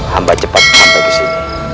hamba cepat sampai disini